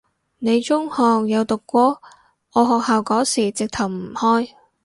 你中學有讀過？我學校嗰時直頭唔開